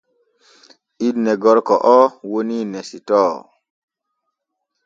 Inne gorko oo woni Nesitoo.